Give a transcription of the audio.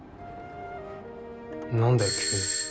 何だよ急に。